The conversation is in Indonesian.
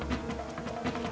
tidak ada apa apa